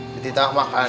dia ditanggung makan